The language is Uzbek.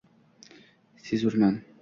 Sezurman